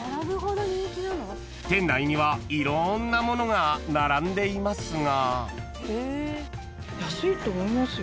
［店内にはいろんなものが並んでいますが］